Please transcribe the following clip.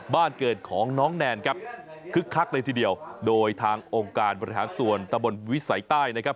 บ้านเกิดของน้องแนนครับคึกคักเลยทีเดียวโดยทางองค์การบริหารส่วนตะบนวิสัยใต้นะครับ